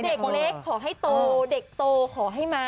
เด็กเล็กขอให้โตเด็กโตขอให้มา